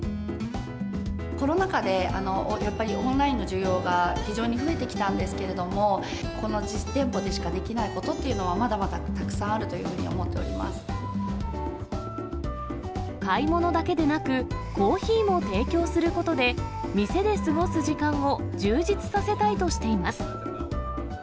コロナ禍で、やっぱりオンラインの需要が非常に増えてきたんですけれども、この実店舗でしかできないことっていうのは、まだまだたくさんあ買い物だけでなく、コーヒーも提供することで、店で過ごす時間を充実させたいとしています。